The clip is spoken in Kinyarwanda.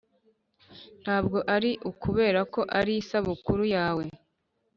ntabwo ari ukubera ko ari isabukuru yawe.